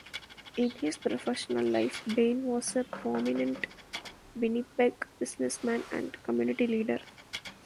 In his professional life Bain was a prominent Winnipeg businessman and community leader.